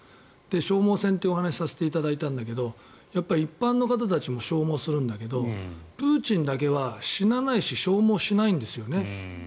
消耗戦というお話をさせていただいたんですが一般の方たちも消耗するんだけどプーチンだけは死なないし消耗しないんですよね。